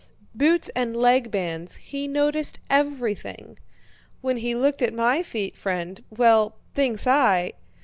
Boots and leg bands... he noticed everything..." "When he looked at my feet, friend... well, thinks I..."